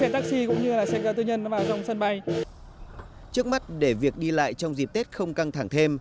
trước mắt để việc đi lại trong dịp tết không căng thẳng thêm